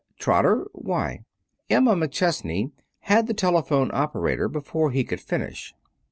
Trotter. Why?" Emma McChesney had the telephone operator before he could finish.